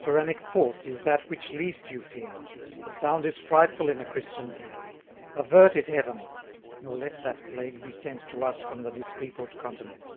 Tyrannic force is that which least you fear; 700 The sound is frightful in a Christian's ear: Avert it, Heaven! nor let that plague be sent To us from the dispeopled continent.